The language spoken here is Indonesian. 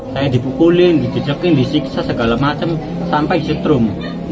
saya dipukulin dijejekin disiksa segala macam sampai setrum